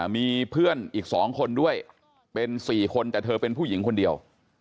มีเพื่อนอีก๒คนด้วยเป็น๔คนแต่เธอเป็นผู้หญิงคนเดียว